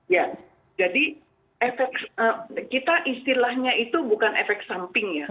ya jadi efek kita istilahnya itu bukan efek samping ya